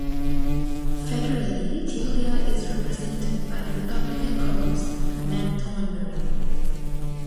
Federally, Tulia is represented by Republican Congressman Mac Thornberry.